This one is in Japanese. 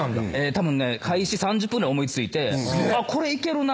たぶんね開始３０分ぐらいに思い付いて「これいけるな」